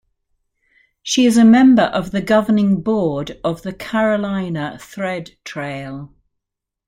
She is a member of the governing board of the Carolina Thread Trail.